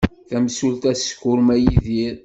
Tamsulta teskurma Yidir.